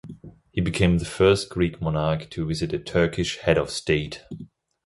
He became the first Greek Monarch to visit a Turkish Head of State.